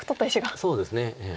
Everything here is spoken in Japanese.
そうですね。